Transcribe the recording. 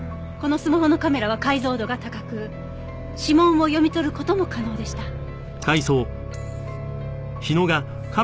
このスマホのカメラは解像度が高く指紋を読み取る事も可能でした。